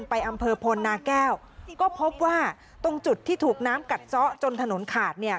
อำเภอพลนาแก้วก็พบว่าตรงจุดที่ถูกน้ำกัดซะจนถนนขาดเนี่ย